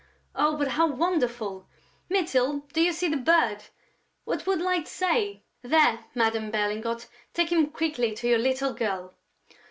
Oh, but how wonderful!... Mytyl, do you see the bird? What would Light say?... There, Madame Berlingot, take him quickly to your little girl...."